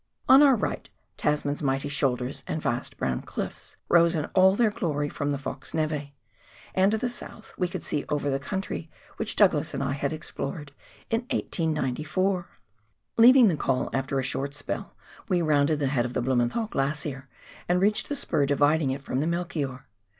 On our right, Tasman's mighty shoulders and vast brown cliffs rose in all their glory from the Fox neve, and to the south we could see over the country which Douglas and I explored in 1894. Leaving the col after a short spell, we rounded the head of the Blumenthal Glacier, and reached the spur dividing it from the Melchoir.